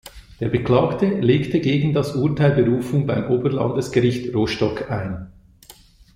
Der Beklagte legte gegen das Urteil Berufung beim Oberlandesgericht Rostock ein.